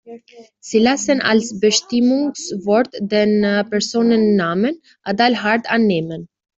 Sie lassen als Bestimmungswort den Personennamen "Adalhard" annehmen.